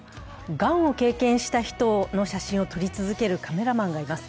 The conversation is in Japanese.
がんを経験した人の写真を撮り続けるカメラマンがいます。